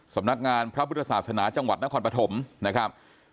สำนักงานพระพุทธศาสนาจังหวัดนครปฐมนะครับ